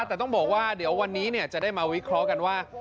แต่ต้องบอกว่าเดี๋ยววันนี้จะได้มาวิเคราะห์กันว่า